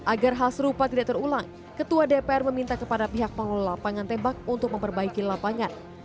agar hal serupa tidak terulang ketua dpr meminta kepada pihak pengelola pangan tembak untuk memperbaiki lapangan